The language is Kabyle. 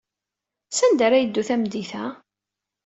Sanda ara yeddu tameddit-a?